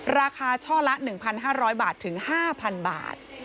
ช่อละ๑๕๐๐บาทถึง๕๐๐บาท